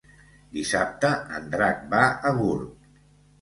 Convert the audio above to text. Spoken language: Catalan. Dissabte en Drac va a Gurb.